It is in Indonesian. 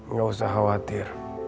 nggak usah khawatir